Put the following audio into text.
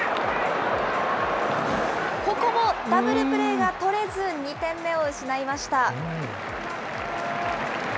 ここもダブルプレーが取れず、２点目を失いました。